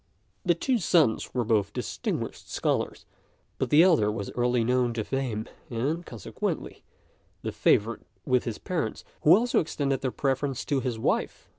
The two sons were both distinguished scholars, but the elder was early known to fame, and, consequently, the favourite with his parents, who also extended their preference to his wife.